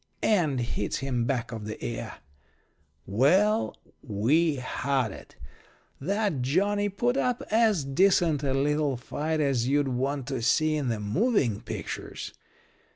and hits him back of the ear. "Well, we had it. That Johnnie put up as decent a little fight as you'd want to see in the moving pictures.